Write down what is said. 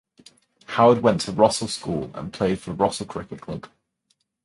Howard went to Rossall School and played for Rossall Cricket Club.